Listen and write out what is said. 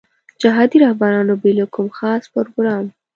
جهادي رهبرانو بې له کوم خاص پروګرام.